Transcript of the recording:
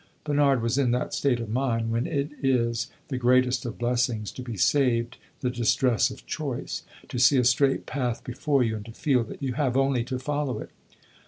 Bernard was in that state of mind when it is the greatest of blessings to be saved the distress of choice to see a straight path before you and to feel that you have only to follow it.